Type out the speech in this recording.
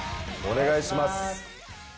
お願いします。